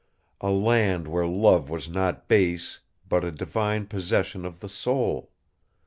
A land where love was not base, but a divine possession of the soul!